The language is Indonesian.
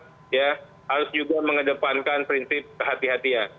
harus juga mengedepankan prinsip kehati hatian